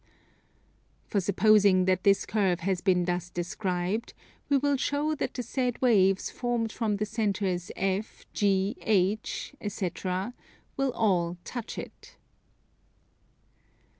For, supposing that this curve has been thus described, we will show that the said waves formed from the centres F, G, H, etc., will all touch it.